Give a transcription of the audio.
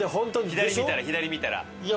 左見たら左見たら。